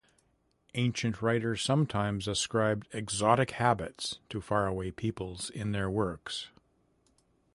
Ancient writers sometimes ascribed exotic habits to far-away peoples in their works.